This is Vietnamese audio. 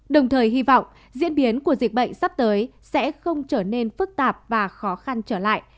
đồng thời hy vọng diễn biến của dịch bệnh sắp tới sẽ không trở nên phức tạp và khó khăn trở lại